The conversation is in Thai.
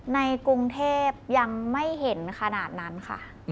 ในกรุงเทพยังไม่เห็นขนาดนั้นค่ะ